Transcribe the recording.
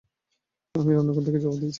আমি রান্নাঘর থেকেই জবাব দিয়েছি।